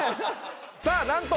さぁなんと！